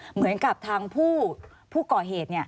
เหมือนกับทางผู้ก่อเหตุ